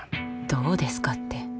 どうですかって。